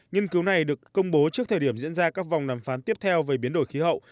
nghiên cứu này được công bố trước thời điểm diễn ra các vòng đàm phán tiếp theo về biến đổi khí hậu